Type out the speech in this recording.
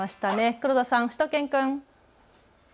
黒田さん、しゅと犬くん。